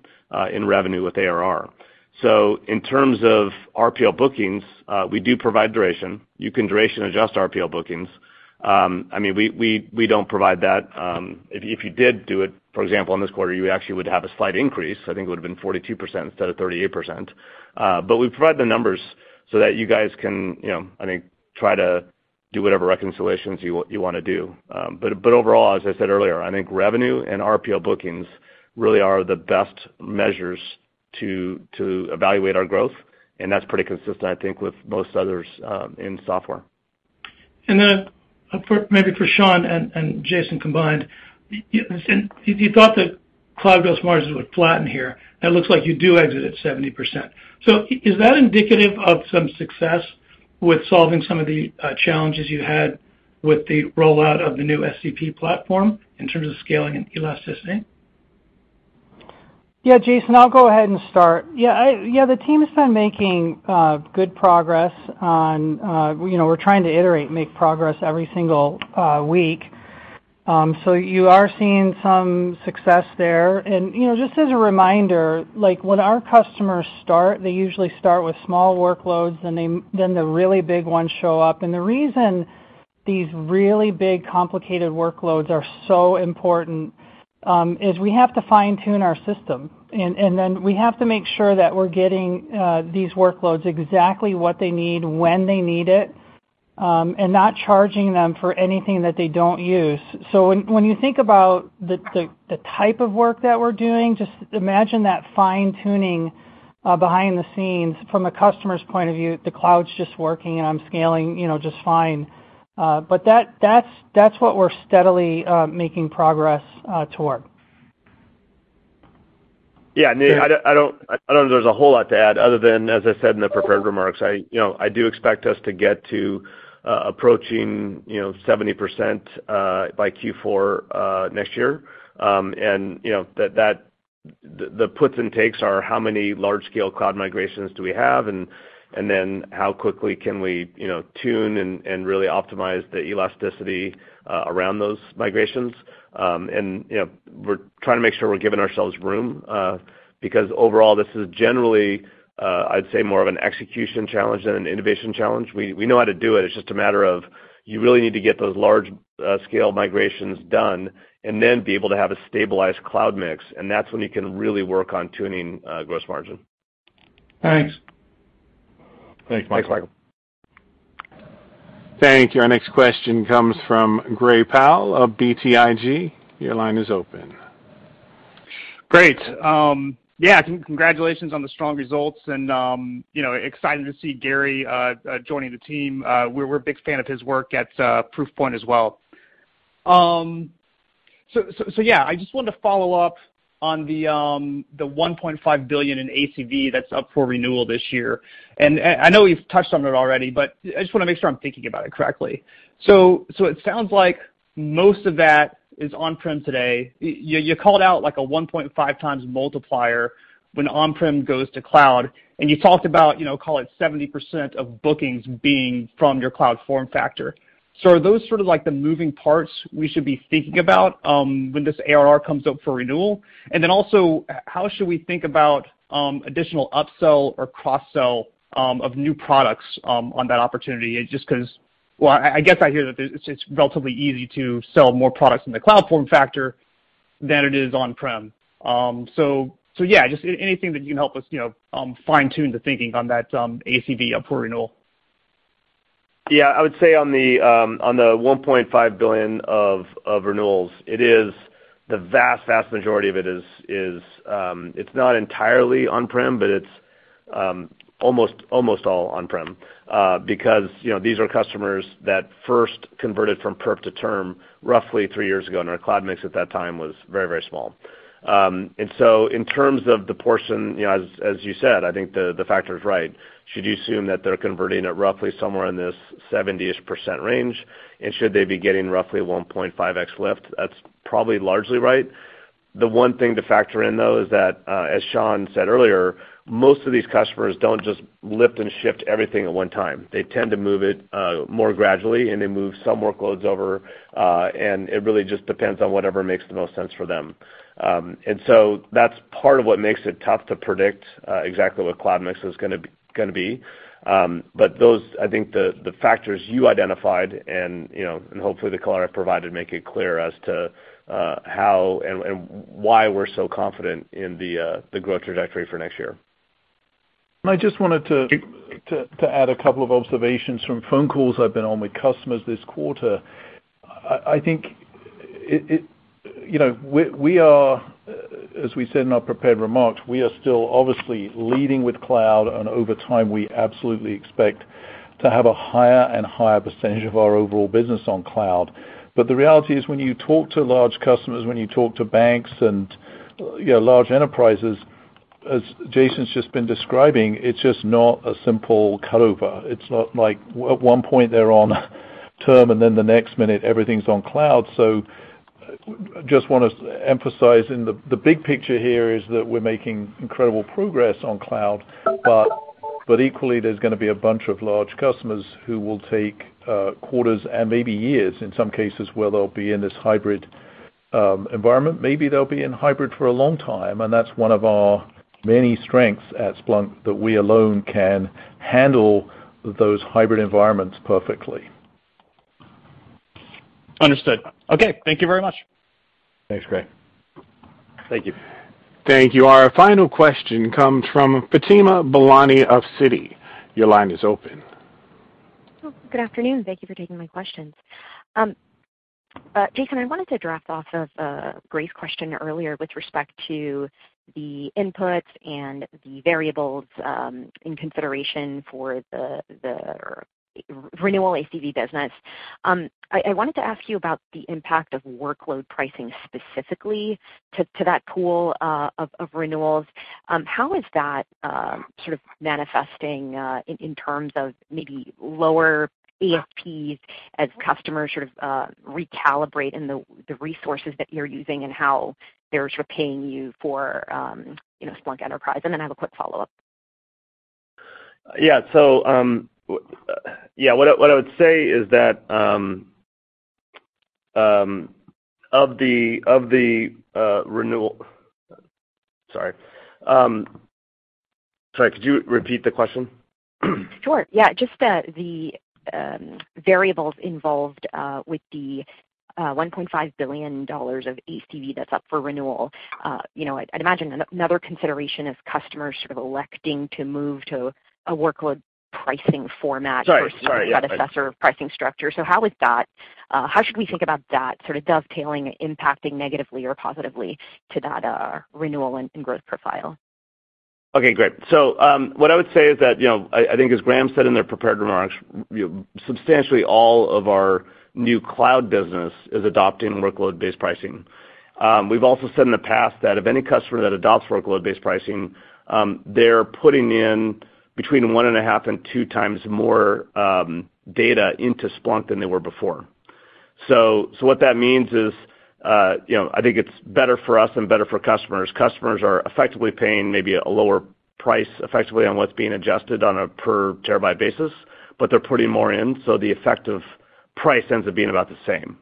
in revenue with ARR. In terms of RPO bookings, we do provide duration. You can duration adjust RPO bookings. I mean, we don't provide that. If you did do it, for example, in this quarter, you actually would have a slight increase. I think it would've been 42% instead of 38%. We provide the numbers so that you guys can, you know, I think, try to do whatever reconciliations you wanna do. Overall, as I said earlier, I think revenue and RPO bookings really are the best measures to evaluate our growth, and that's pretty consistent, I think, with most others, in software. Then for maybe Shawn and Jason combined. You said you thought that cloud gross margins would flatten here. It looks like you do exit at 70%. So is that indicative of some success with solving some of the challenges you had with the rollout of the new SCP platform in terms of scaling and elasticity? Yeah, Jason, I'll go ahead and start. Yeah, the team has been making good progress on, you know, we're trying to iterate and make progress every single week. You are seeing some success there. You know, just as a reminder, like, when our customers start, they usually start with small workloads, then the really big ones show up. The reason these really big complicated workloads are so important is we have to fine-tune our system. Then we have to make sure that we're getting these workloads exactly what they need, when they need it, and not charging them for anything that they don't use. When you think about the type of work that we're doing, just imagine that fine-tuning behind the scenes. From a customer's point of view, the cloud's just working, and I'm scaling, you know, just fine. That's what we're steadily making progress toward. Yeah, I don't know if there's a whole lot to add other than, as I said in the prepared remarks, you know, I do expect us to get to approaching 70% by Q4 next year. You know, that. The puts and takes are how many large scale cloud migrations do we have and then how quickly can we you know tune and really optimize the elasticity around those migrations. You know, we're trying to make sure we're giving ourselves room because overall, this is generally I'd say more of an execution challenge than an innovation challenge. We know how to do it. It's just a matter of you really need to get those large scale migrations done and then be able to have a stabilized cloud mix, and that's when you can really work on tuning gross margin. Thanks. Thanks, Michael. Thank you. Our next question comes from Gray Powell of BTIG. Your line is open. Great. Yeah, congratulations on the strong results and, you know, excited to see Gary joining the team. We're a big fan of his work at Proofpoint as well. Yeah, I just wanted to follow up on the $1.5 billion in ACV that's up for renewal this year. I know you've touched on it already, but I just wanna make sure I'm thinking about it correctly. It sounds like most of that is on-prem today. You called out like a 1.5x multiplier when on-prem goes to cloud, and you talked about, you know, call it 70% of bookings being from your cloud form factor. Are those sort of like the moving parts we should be thinking about when this ARR comes up for renewal? How should we think about additional upsell or cross-sell of new products on that opportunity? Just 'cause I guess I hear that it's relatively easy to sell more products in the cloud form factor than it is on-prem. So yeah, just anything that you can help us, you know, fine-tune the thinking on that ACV up for renewal. Yeah. I would say on the $1.5 billion of renewals, it is the vast majority of it is, it's not entirely on-prem, but it's almost all on-prem, because, you know, these are customers that first converted from perp to term roughly three years ago, and our cloud mix at that time was very small. In terms of the portion, you know, as you said, I think the factor is right. Should you assume that they're converting at roughly somewhere in this 70-ish% range, and should they be getting roughly 1.5x lift? That's probably largely right. The one thing to factor in, though, is that, as Shawn said earlier, most of these customers don't just lift and shift everything at one time. They tend to move it more gradually, and they move some workloads over, and it really just depends on whatever makes the most sense for them. That's part of what makes it tough to predict exactly what cloud mix is gonna be. Those, I think, the factors you identified and, you know, and hopefully the color I provided make it clear as to how and why we're so confident in the growth trajectory for next year. I just wanted to. Sure To add a couple of observations from phone calls I've been on with customers this quarter. I think it, you know, we are, as we said in our prepared remarks, we are still obviously leading with cloud, and over time, we absolutely expect to have a higher and higher percentage of our overall business on cloud. The reality is when you talk to large customers, when you talk to banks and, you know, large enterprises, as Jason's just been describing, it's just not a simple cut over. It's not like at one point they're on term, and then the next minute everything's on cloud. Just want to emphasize in the big picture here is that we're making incredible progress on cloud, but equally, there's going to be a bunch of large customers who will take quarters and maybe years in some cases where they'll be in this hybrid environment. Maybe they'll be in hybrid for a long time, and that's one of our many strengths at Splunk that we alone can handle those hybrid environments perfectly. Understood. Okay. Thank you very much. Thanks, Graham. Thank you. Thank you. Our final question comes from Fatima Boolani of Citi. Your line is open. Good afternoon. Thank you for taking my questions. Jason, I wanted to riff off of Graham's question earlier with respect to the inputs and the variables in consideration for the renewal ACV business. I wanted to ask you about the impact of Workload Pricing specifically to that pool of renewals. How is that sort of manifesting in terms of maybe lower ASPs as customers sort of recalibrate in the resources that you're using and how they're sort of paying you for, you know, Splunk Enterprise? And then I have a quick follow-up. Sorry, could you repeat the question? Sure. Yeah. Just the variables involved with the $1.5 billion of ACV that's up for renewal. You know, I'd imagine another consideration is customers sort of electing to move to a Workload Pricing format- Sorry.... versus predecessor pricing structure. How should we think about that sort of dovetailing impacting negatively or positively to that renewal and growth profile? Okay, great. What I would say is that, you know, I think as Graham said in their prepared remarks, substantially all of our new cloud business is adopting workload-based pricing. We've also said in the past that if any customer that adopts workload-based pricing, they're putting in between 1.5x and 2x more data into Splunk than they were before. What that means is, you know, I think it's better for us and better for customers. Customers are effectively paying maybe a lower price effectively on what's being adjusted on a per terabyte basis, but they're putting more in, so the effect of price ends up being about the same,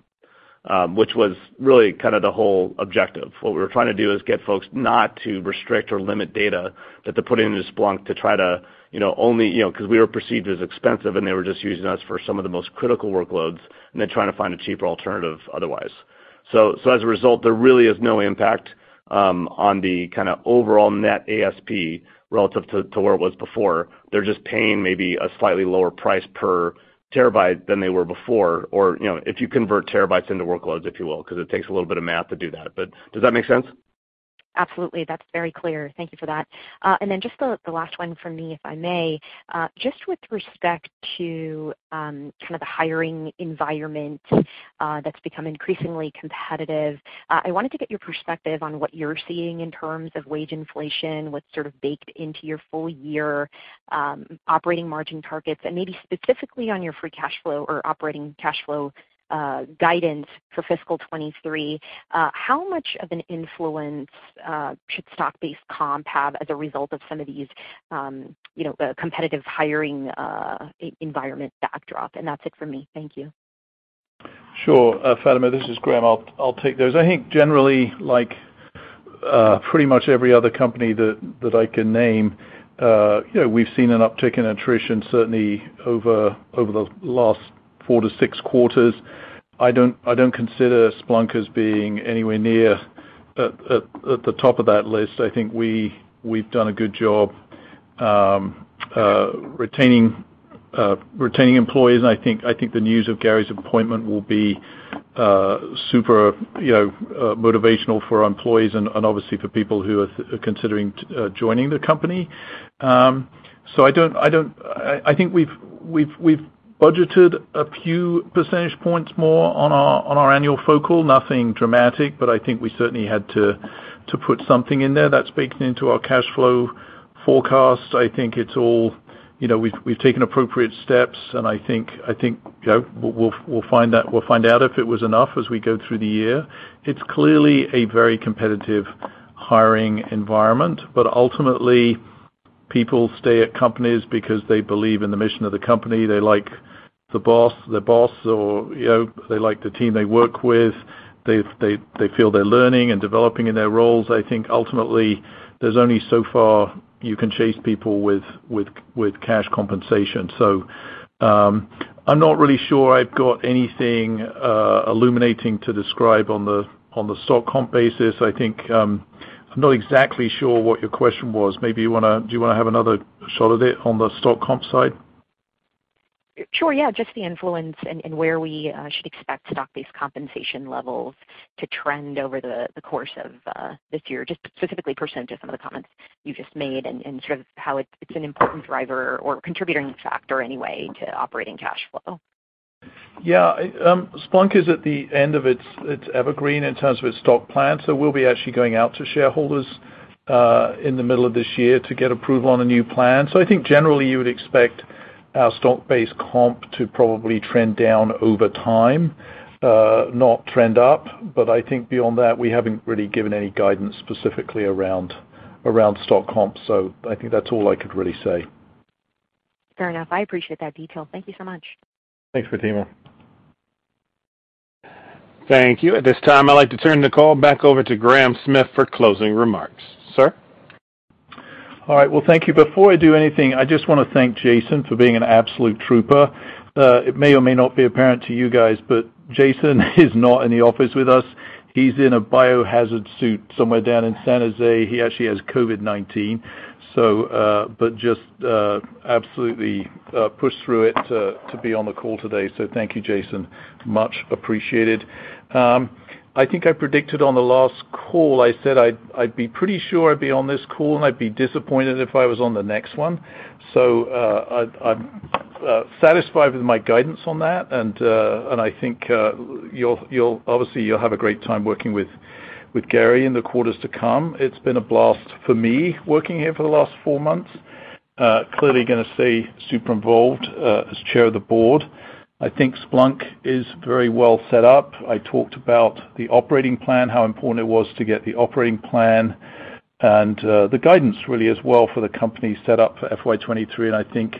which was really kind of the whole objective. What we were trying to do is get folks not to restrict or limit data that they're putting into Splunk to try to, you know, only, you know, because we were perceived as expensive, and they were just using us for some of the most critical workloads and then trying to find a cheaper alternative otherwise. As a result, there really is no impact on the kind of overall net ASP relative to where it was before. They're just paying maybe a slightly lower price per terabyte than they were before, or, you know, if you convert terabytes into workloads, if you will, because it takes a little bit of math to do that. Does that make sense? Absolutely. That's very clear. Thank you for that. Then just the last one for me, if I may. Just with respect to kind of the hiring environment that's become increasingly competitive, I wanted to get your perspective on what you're seeing in terms of wage inflation, what's sort of baked into your full year operating margin targets, and maybe specifically on your free cash flow or operating cash flow guidance for fiscal 2023. How much of an influence should stock-based comp have as a result of some of these you know competitive hiring environment backdrop? That's it for me. Thank you. Sure. Fatima, this is Graham. I'll take those. I think generally like pretty much every other company that I can name, you know, we've seen an uptick in attrition certainly over the last four-six quarters. I don't consider Splunk as being anywhere near at the top of that list. I think we've done a good job retaining employees, and I think the news of Gary's appointment will be super, you know, motivational for our employees and obviously for people who are considering joining the company. I think we've budgeted a few percentage points more on our annual focal. Nothing dramatic, but I think we certainly had to put something in there that's baked into our cash flow forecast. I think it's all, you know, we've taken appropriate steps, and I think, you know, we'll find out if it was enough as we go through the year. It's clearly a very competitive hiring environment, but ultimately, people stay at companies because they believe in the mission of the company. They like their boss or, you know, they like the team they work with. They feel they're learning and developing in their roles. I think ultimately there's only so far you can chase people with cash compensation. So, I'm not really sure I've got anything illuminating to describe on the stock comp basis. I think, I'm not exactly sure what your question was. Do you wanna have another shot of it on the stock comp side? Sure. Yeah. Just the influence and where we should expect stock-based compensation levels to trend over the course of this year. Just specifically percentage of some of the comments you just made and sort of it's an important driver or contributing factor anyway to operating cash flow. Yeah, Splunk is at the end of its evergreen in terms of its stock plan. We'll be actually going out to shareholders in the middle of this year to get approval on a new plan. I think generally you would expect our stock-based comp to probably trend down over time, not trend up. I think beyond that, we haven't really given any guidance specifically around stock comps. I think that's all I could really say. Fair enough. I appreciate that detail. Thank you so much. Thanks, Fatima. Thank you. At this time, I'd like to turn the call back over to Graham Smith for closing remarks. Sir? All right. Well, thank you. Before I do anything, I just wanna thank Jason for being an absolute trooper. It may or may not be apparent to you guys, but Jason is not in the office with us. He's in a biohazard suit somewhere down in San Jose. He actually has COVID-19. But just absolutely pushed through it to be on the call today. Thank you, Jason. Much appreciated. I think I predicted on the last call, I said I'd be pretty sure I'd be on this call, and I'd be disappointed if I was on the next one. I'm satisfied with my guidance on that, and I think you'll obviously have a great time working with Gary in the quarters to come. It's been a blast for me working here for the last four months. Clearly gonna stay super involved as chair of the board. I think Splunk is very well set up. I talked about the operating plan, how important it was to get the operating plan, and the guidance really as well for the company set up for FY 2023, and I think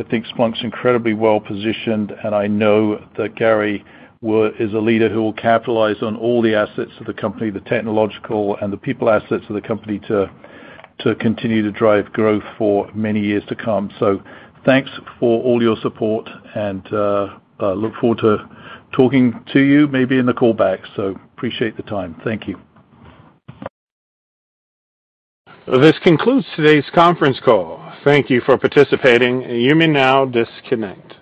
Splunk's incredibly well-positioned. I know that Gary is a leader who will capitalize on all the assets of the company, the technological and the people assets of the company, to continue to drive growth for many years to come. Thanks for all your support, and I look forward to talking to you maybe in the call back. Appreciate the time. Thank you. This concludes today's conference call. Thank you for participating. You may now disconnect.